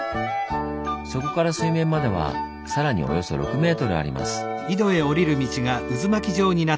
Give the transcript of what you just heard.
そこから水面まではさらにおよそ６ｍあります。